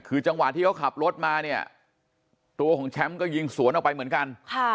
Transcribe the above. คือจังหวะที่เขาขับรถมาเนี่ยตัวของแชมป์ก็ยิงสวนออกไปเหมือนกัน